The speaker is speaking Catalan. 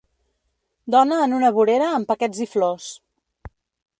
Dona en una vorera amb paquets i flors.